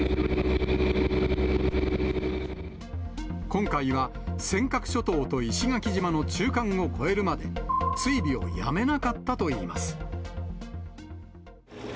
今回は尖閣諸島と石垣島の中間を越えるまで、追尾をやめなかったといいます。